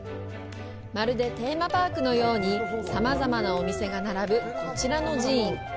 まるでテーマパークのようにさまざまなお店が並ぶ、こちらの寺院。